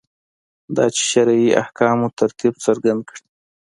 دا چې شرعي احکامو ترتیب څرګند کړي.